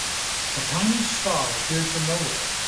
A tiny star appeared from nowhere.